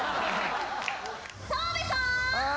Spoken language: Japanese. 澤部さん。